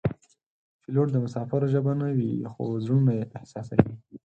پیلوټ د مسافرو ژبه نه وي خو زړونه یې احساسوي.